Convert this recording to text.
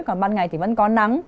còn ban ngày thì vẫn có nắng